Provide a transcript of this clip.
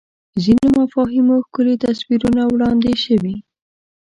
ځینو مفاهیمو ښکلي تصویرونه وړاندې شوي